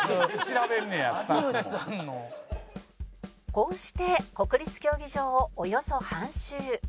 こうして国立競技場をおよそ半周